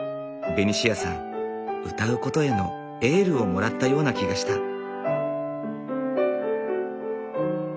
ベニシアさん歌うことへのエールをもらったような気がした。